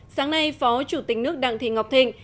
sáng nay phó chủ tịch nước đặng thị ngọc thịnh